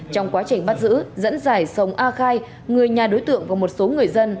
trong quá trình bắt giữ dẫn giải sông a khai người nhà đối tượng và một số người dân